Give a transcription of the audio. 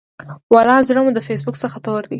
ولا زړه مو د فیسبوک څخه تور دی.